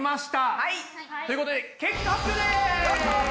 はい！ということで結果発表です！